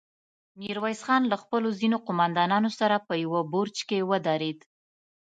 ميرويس خان له خپلو ځينو قوماندانانو سره په يوه برج کې ودرېد.